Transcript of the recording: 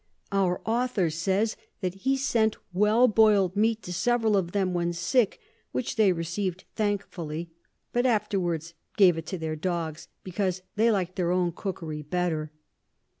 Our Author says that he sent well boil'd Meat to several of them when sick, which they receiv'd thankfully; but afterwards gave it to their Dogs, because they lik'd their own Cookery better.